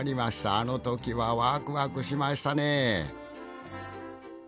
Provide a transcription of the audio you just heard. あの時はワクワクしましたね